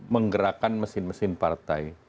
menggerakkan mesin mesin partai